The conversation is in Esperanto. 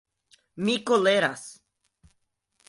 Mi koleras.